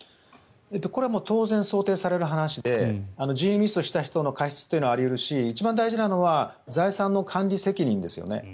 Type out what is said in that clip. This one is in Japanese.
これは当然、想定される話で人為ミスをした人の過失はあり得るし一番大事なのは財産の管理責任ですよね。